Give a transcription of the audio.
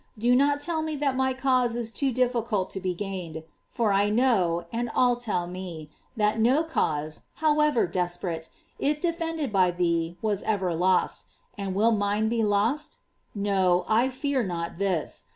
Do not tell me that my cause is too difficult to be gained; for I know, and all tell me, that no cause, how ever desperate, if defended by thee, was ever lost; and will mine be lost? No, I fear not this.